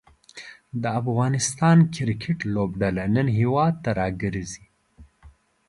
د افغانستان کریکټ لوبډله نن هیواد ته راګرځي.